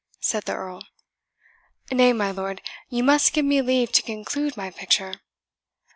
said the Earl. "Nay, my lord, you must give me leave to conclude my picture.